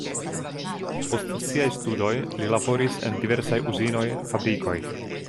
Post siaj studoj li laboris en diversaj uzinoj, fabrikoj.